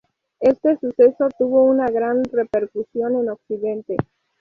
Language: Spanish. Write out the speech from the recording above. Este suceso tuvo una gran repercusión en Occidente.